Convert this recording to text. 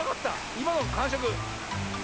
いまのかんしょく。